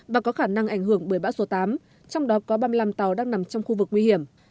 và có khả năng ảnh hưởng bởi bão số tám trong đó có ba mươi năm tàu đang nằm trong khu vực nguy hiểm